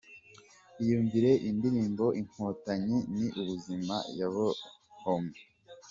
Iyumvire indirimbo Inkotanyi ni Ubuzima ya Bonhomme .